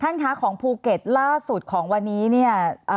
คะของภูเก็ตล่าสุดของวันนี้เนี่ย